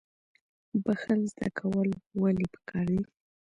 بخښل زده کول ولې پکار دي؟